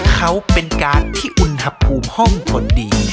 เขาเป็นกาดที่อุ่นหับหุมห้องพอดี